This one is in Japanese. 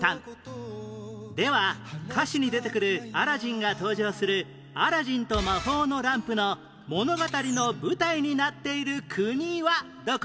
では歌詞に出てくるアラジンが登場する『アラジンと魔法のランプ』の物語の舞台になっている国はどこ？